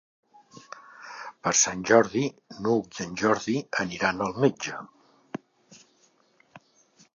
Per Sant Jordi n'Hug i en Jordi aniran al metge.